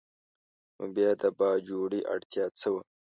نو بیا د باجوړي اړتیا څه وه؟